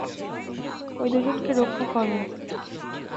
ওই দুজনকে রক্ষা করো।